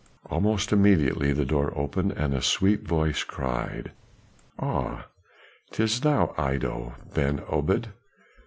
Almost immediately the door opened, and a sweet voice cried, "Ah, 'tis thou, Iddo Ben Obed!